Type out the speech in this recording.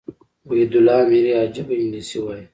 وحيدالله اميري عجبه انګلېسي وايي.